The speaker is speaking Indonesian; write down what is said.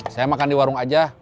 saya makan di warung aja